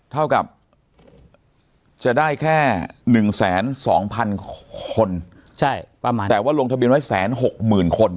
เท่ากับจะได้แค่๑๒๐๐๐คนประมาณแต่ว่าลงทะเบียนไว้๑๖๐๐๐คน